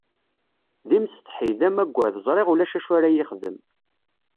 D imsetḥi, d amaggad, ẓriɣ ulac acu ara yi-ixdem.